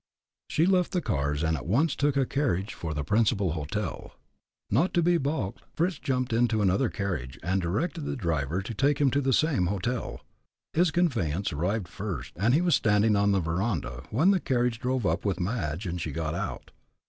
She left the cars, and at once took a carriage for the principal hotel. Not to be balked, Fritz jumped into another carriage, and directed the driver to take him to the same hotel. His conveyance arrived first, and he was standing on the veranda, when the carriage drove up with Madge, and she got out.